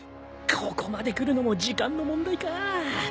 ここまで来るのも時間の問題か。